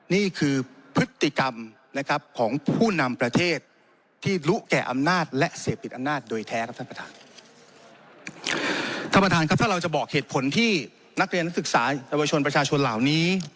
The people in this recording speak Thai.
นี่คือพฤติกรรมนะครับของผู้นำประเทศที่รู้แก่อำนาจและเสพติดอำนาจโดยแท้ครับท่านประธาน